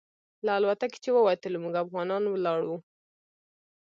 له الوتکې چې ووتلو موږ افغانان ولاړ وو.